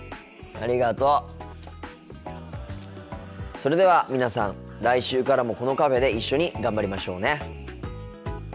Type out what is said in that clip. それでは皆さん来週からもこのカフェで一緒に頑張りましょうね。